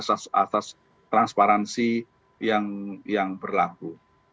asas transparansi yang berlaku